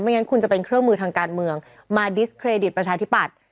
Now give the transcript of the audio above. งั้นคุณจะเป็นเครื่องมือทางการเมืองมาดิสเครดิตประชาธิปัตย์